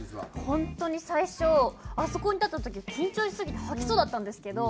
本当に最初あそこに立った時緊張しすぎて吐きそうだったんですけど。